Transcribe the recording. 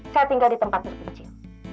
saya tinggal di tempat terkecil